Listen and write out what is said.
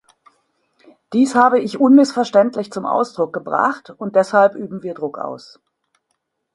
Dies habe ich unmissverständlich zum Ausdruck gebracht, und deshalb üben wir Druck aus.